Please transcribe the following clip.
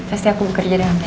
pasti aku bekerja dengan baik